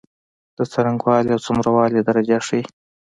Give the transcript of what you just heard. د څرنګوالی او څومره والي درجه ښيي.